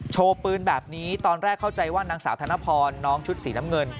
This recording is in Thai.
โชว์ปืนแบบนี้ตอนแรกเข้าใจว่านางสาวธนพรน้องชุดสีน้ำเงิน